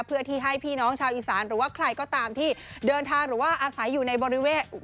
เพื่อที่ให้พี่น้องชาวอีสานหรือว่าใครก็ตามที่เดินทางหรือว่าอาศัยอยู่ในบริเวณ